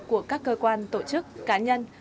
của các cơ quan tổ chức cá nhân